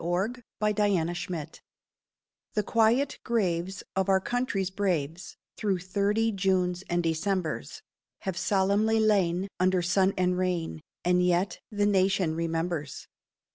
MEMORIAL DAY—1892 The quiet graves of our country's braves Through thirty Junes and Decembers Have solemnly lain under sun and rain, And yet the Nation remembers.